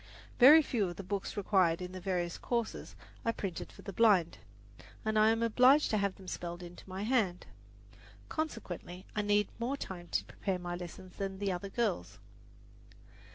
Very few of the books required in the various courses are printed for the blind, and I am obliged to have them spelled into my hand. Consequently I need more time to prepare my lessons than other girls.